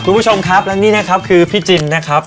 คุณผู้ชมครับและนี่นะครับคือพี่จินนะครับ